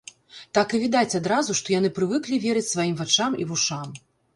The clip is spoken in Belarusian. Так і відаць адразу, што яны прывыклі верыць сваім вачам і вушам.